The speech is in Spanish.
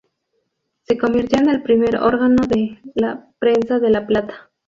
Se convirtió en el primer órgano de prensa de La Plata.